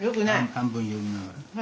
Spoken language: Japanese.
半分読みながら。